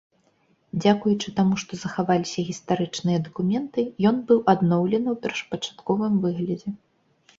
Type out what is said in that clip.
Дзякуючы таму, што захаваліся гістарычныя дакументы, ён быў адноўлены ў першапачатковым выглядзе.